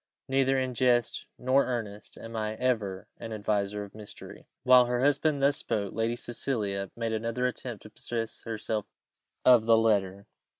Neither in jest nor earnest am I ever an adviser of mystery." While her husband thus spoke, Lady Cecilia made another attempt to possess herself of the letter.